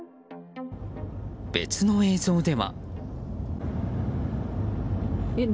別の映像では。